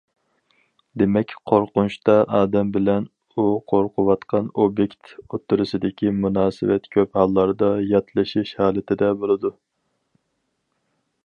دېمەك، قورقۇنچتا ئادەم بىلەن ئۇ قورقۇۋاتقان ئوبيېكت ئوتتۇرىسىدىكى مۇناسىۋەت كۆپ ھاللاردا ياتلىشىش ھالىتىدە بولىدۇ.